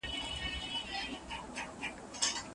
مشرانو تل ویلي چي موږ باید بااخلاقه ژوند ولرو.